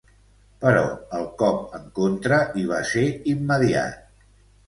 Però el cop en contra hi va ser immediat.